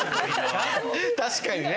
確かにね。